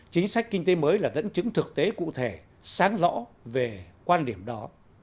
chính sách kinh tế mới là dẫn chứng thực tế cụ thể sáng rõ về quan điểm đó